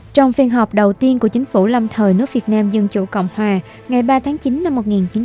trong phiên họp đầu tiên của chính phủ lâm thời nước việt nam dân chủ cộng hòa ngày ba tháng chín năm một nghìn chín trăm bảy mươi